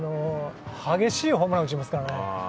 激しいホームランを打ちますからね。